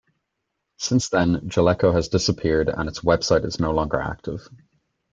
Since then, Jaleco has disappeared and its website is no longer active.